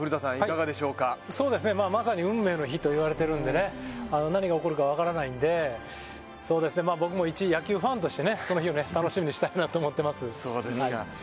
まさに運命の日といわれてるんで何が起こるか分からないんで、僕も一野球ファンとしてその日を楽しみにしたいなと思っています。